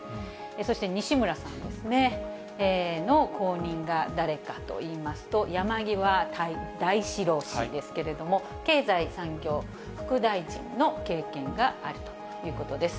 そして西村さんの後任が誰かといいますと、山際大志郎氏ですけれども、経済産業副大臣の経験があるということです。